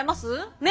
ねえ！